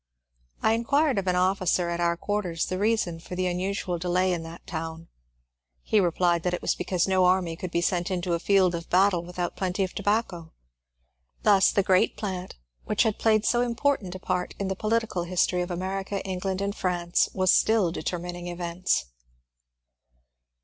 I inquired of an officer at our quarters the reason for the unusual delay in that town ; he replied that it was because no army could be sent into a field of battle with out plenty of tobacco. Thus the ^ Grreat Plant," which had played so important a part in the political history of America, England, and France was still determining events.